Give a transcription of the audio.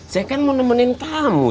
saya kan mau nemenin tamu